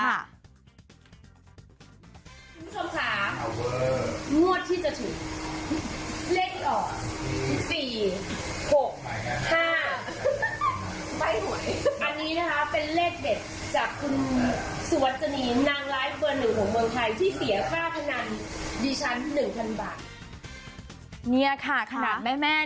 คุณผู้ชมค่ะมวดที่จะถึงเลขออก๔๖๕อันนี้นะคะเป็นเลขเด็ดจากคุณสวัสดีนางไลฟ์เบอร์หนึ่งของเมืองไทยที่เสียค่าขนาดดิฉัน๑๐๐๐บาท